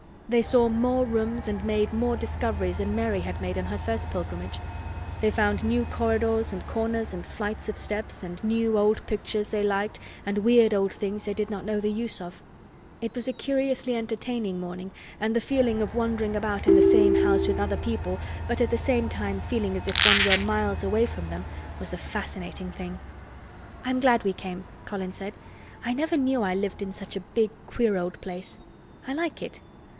They saw more rooms and made more discoveries than Mary had made on her first pilgrimage. They found new corridors and corners and flights of steps and new old pictures they liked and weird old things they did not know the use of. It was a curiously entertaining morning and the feeling of wandering about in the same house with other people but at the same time feeling as if one were miles away from them was a fascinating thing. "I'm glad we came," Colin said. "I never knew I lived in such a big queer old place. I like it.